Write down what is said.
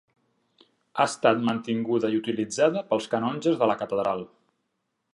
Ha estat mantinguda i utilitzada pels canonges de la catedral.